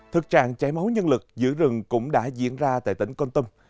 thực trạng cháy máu nhân lực giữ rừng cũng đã diễn ra tại tỉnh con tâm